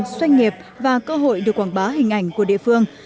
doanh nghiệp và cơ hội được quảng bá hình ảnh của địa phương